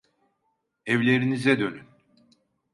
Evlerinize dönün.